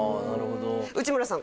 内村さん